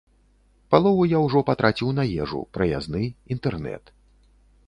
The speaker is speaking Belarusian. Палову я ўжо патраціў на ежу, праязны, інтэрнэт.